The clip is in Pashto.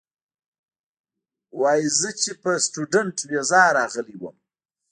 وې ئې زۀ چې پۀ سټوډنټ ويزا راغلی ووم